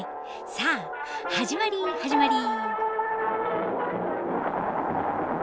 さあ始まり始まり。